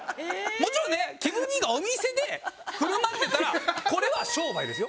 もちろんねキム兄がお店で振る舞ってたらこれは商売ですよ。